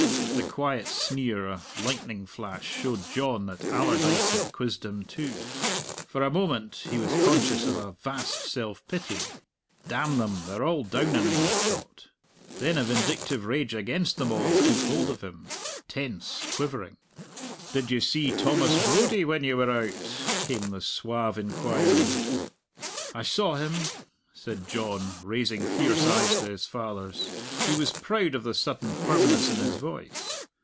At the quiet sneer a lightning flash showed John that Allardyce had quizzed him too. For a moment he was conscious of a vast self pity. "Damn them, they're all down on me," he thought. Then a vindictive rage against them all took hold of him, tense, quivering. "Did you see Thomas Brodie when ye were out?" came the suave inquiry. "I saw him," said John, raising fierce eyes to his father's. He was proud of the sudden firmness in his voice.